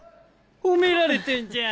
褒められてんじゃん。